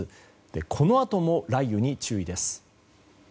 このあとも雷雨に注意です。